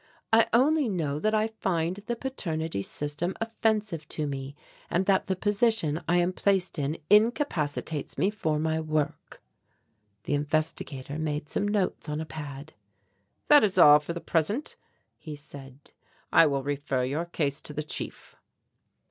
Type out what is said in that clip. "I only know that I find the paternity system offensive to me, and that the position I am placed in incapacitates me for my work." The investigator made some notes on a pad. "That is all for the present," he said. "I will refer your case to the Chief."